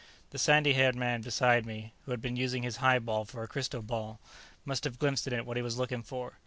The sandy haired man beside me, who had been using his highball for a crystal ball, must have glimpsed in it what he was looking for.